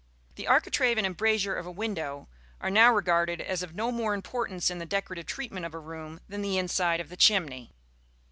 The architrave and embrasure of a window are now regarded as of no more importance in the decorative treatment of a room than the inside of the chimney.